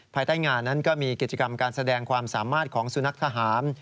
ภายใต้งานนั้นก็มีกิจกรรมการแสดงความสามารถของสุนัขทหาร